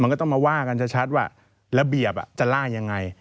ก็ต้องมาว่ากันชัดว่าระเบียบจะล่ายังไง